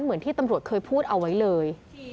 เหมือนที่ตำรวจเคยพูดเอาไว้เลย